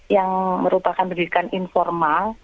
yang merupakan pendidikan informal